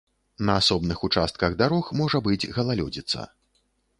На асобных участках дарог можа быць галалёдзіца.